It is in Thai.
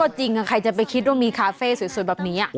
จริงใครจะไปคิดว่ามีคาเฟ่สวยแบบนี้